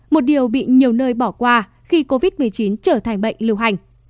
một điều bị nhiều nơi bỏ qua khi covid một mươi chín trở thành bệnh lưu hành